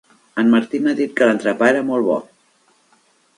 En Martí m'ha dit que l'entrepà era molt bo.